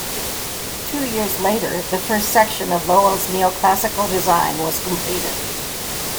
Two years later, the first section of Lowell's neoclassical design was completed.